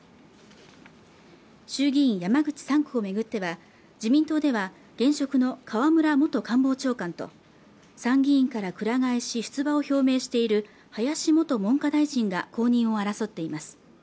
衆議院山口３区をめぐっては自民党では現職の河村元官房長官と参議院から鞍替えし出馬を表明している林元門下大臣が公認を争っています